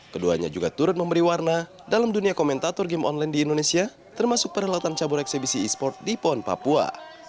keduanya juga turut memberi warna dalam dunia komentator game online di indonesia termasuk perhelatan cabur eksebisi e sport di pon papua